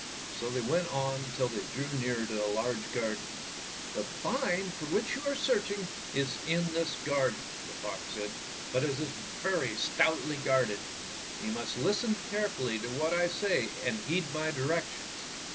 '' So they went on till they drew near to a large garden. ''The vine for which you are searching is in this garden," the fox said, " but it is very stoutly guarded. You must listen carefully to what I say and heed my directions.